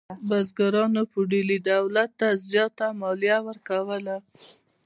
بزګرانو فیوډالي دولت ته زیاته مالیه ورکوله.